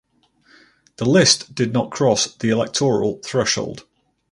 The list did not cross the electoral threshold.